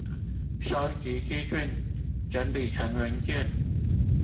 搜集資訊整理成文件